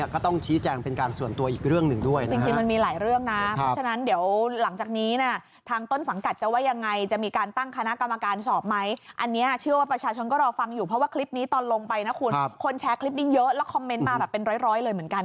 คนแชร์มันเยอะและคอมเมนต์มาหลายเลยเหมือนกัน